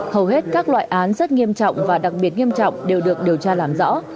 hầu hết các loại án rất nghiêm trọng và đặc biệt nghiêm trọng đều được điều tra làm rõ